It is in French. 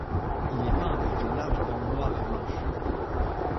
Il est peint avec de larges bandes noires et blanches.